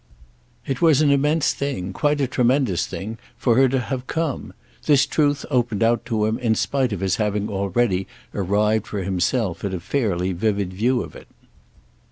It was an immense thing, quite a tremendous thing, for her to have come: this truth opened out to him in spite of his having already arrived for himself at a fairly vivid view of it.